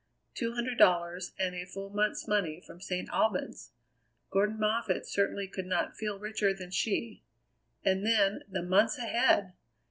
Two hundred dollars and a full month's money from St. Albans! Gordon Moffatt certainly could not feel richer than she. And then the months ahead!